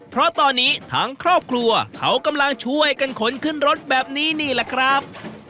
เพราะตอนนี้ทั้งครอบครัวเขากำลังช่วยกันขนขึ้นรถแบบนี้นี่แหละครับ